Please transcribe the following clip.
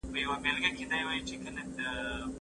زه له سهاره د کتابتون پاکوالی کوم؟!